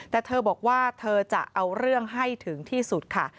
แต่เธอบอกว่าเธอจะเอาเรื่องให้ถึงที่สุดค่ะ